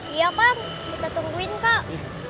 iya pak kita tungguin kak